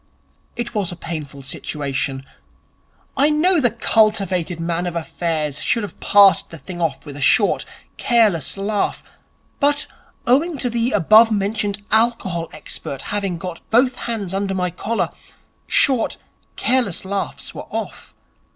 It was a painful situation. I know the cultivated man of affairs should have passed the thing off with a short, careless laugh; but, owing to the above mentioned alcohol expert having got both hands under my collar, short, careless laughs were off.